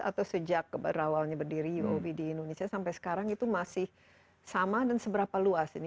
atau sejak awalnya berdiri uob di indonesia sampai sekarang itu masih sama dan seberapa luas ini